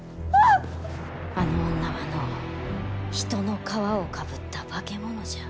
あの女はの人の皮をかぶった化け物じゃ。